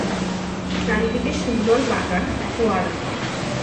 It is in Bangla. চারিদিকে সুন্দর বাগান, ফোয়ারা।